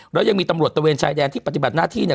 แล้วยังมีตำรวจตะเวนชายแดนที่ปฏิบัติหน้าที่เนี่ย